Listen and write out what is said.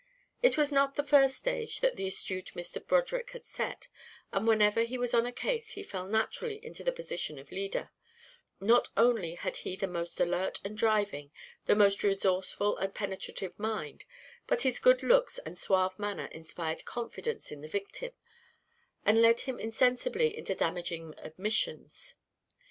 It was not the first stage that the astute Mr. Broderick had set; and whenever he was on a case he fell naturally into the position of leader; not only had he the most alert and driving, the most resourceful and penetrative mind, but his good looks and suave manner inspired confidence in the victim, and led him insensibly into damaging admissions.